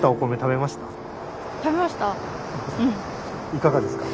いかがですか？